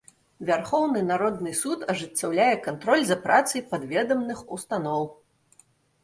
Вярхоўны народны суд ажыццяўляе кантроль за працай падведамных устаноў.